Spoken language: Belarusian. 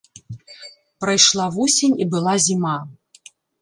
Прайшла восень, і была зіма.